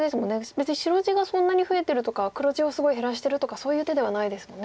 別に白地がそんなに増えてるとか黒地をすごい減らしてるとかそういう手ではないですもんね。